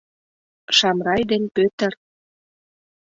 — Шамрай ден Пӧтыр.